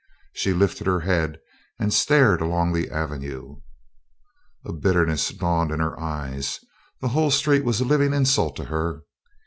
She lifted her head and stared along the avenue. A bitterness dawned in her eyes. The whole street was a living insult to her.